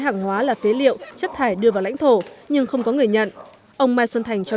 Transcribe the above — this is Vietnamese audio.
hàng hóa là phế liệu chất thải đưa vào lãnh thổ nhưng không có người nhận ông mai xuân thành cho